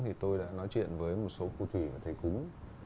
thì tôi đã nói chuyện với một số phụ thủy và thầy cúng